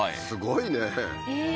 すごいね。